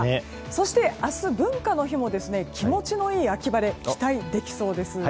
そして、明日文化の日も気持ちのいい秋晴れに期待できそうです。